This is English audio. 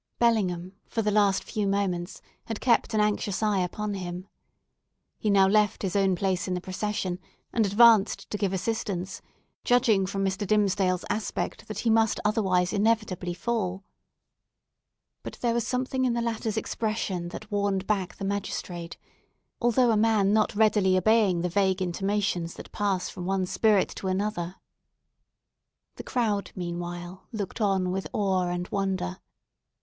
Bellingham, for the last few moments, had kept an anxious eye upon him. He now left his own place in the procession, and advanced to give assistance judging, from Mr. Dimmesdale's aspect that he must otherwise inevitably fall. But there was something in the latter's expression that warned back the magistrate, although a man not readily obeying the vague intimations that pass from one spirit to another. The crowd, meanwhile, looked on with awe and wonder.